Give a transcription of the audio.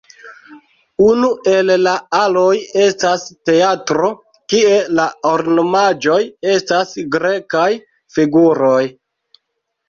Unu el la aloj estas teatro, kie la ornamaĵoj estas grekaj figuroj.